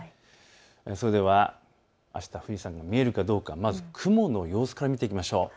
それではあした富士山が見えるかどうか、まず雲の様子から見ていきましょう。